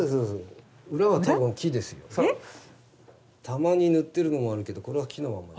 たまに塗ってるのもあるけどこれは木のまま。